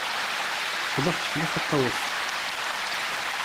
Cḍeḥ, cḍeḥ a ṭṭawes.